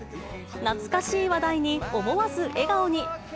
懐かしい話題に、思わず笑顔に。